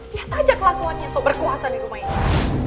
lihat aja kelakuannya so berkuasa di rumah ini